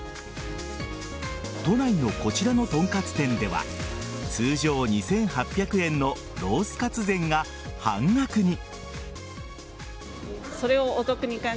都内のこちらのとんかつ店では通常２８００円のロースかつ膳が半額に。